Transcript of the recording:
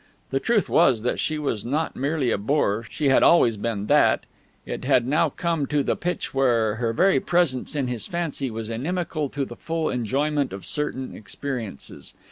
The truth was that she was not merely a bore; she had always been that; it had now come to the pitch when her very presence in his fancy was inimical to the full enjoyment of certain experiences....